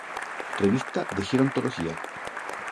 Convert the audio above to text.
Revista de Gerontología.